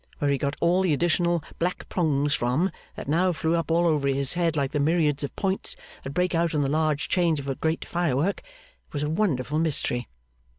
Where he got all the additional black prongs from, that now flew up all over his head like the myriads of points that break out in the large change of a great firework, was a wonderful mystery.